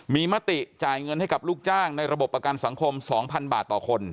มีมติจ่ายเงินให้กับลูกจ้างในระบบประกันสังคม๒๐๐๐บาทต่อคน